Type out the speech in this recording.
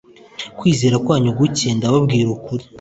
kwizera kwanyu guke ndababwira ukuri